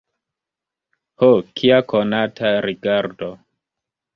Ho, kia konata rigardo!